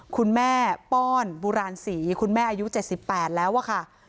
คุณแม่ป้อนบุราณศรีคุณแม่อายุ๗๘แล้วอะค่ะ